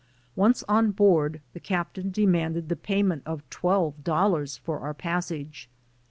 Once on board, the captain demanded the payment of twelve dollars for our passage.